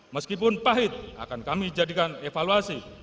meskipun pahit akan kami jadikan evaluasi